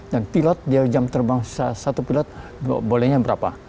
dan pilot dia jam terbang satu pilot bolehnya berapa